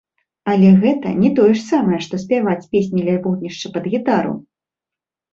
Але гэта не тое ж самае, што спяваць песні ля вогнішча пад гітару!